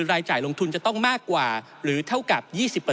รายจ่ายลงทุนจะต้องมากกว่าหรือเท่ากับ๒๐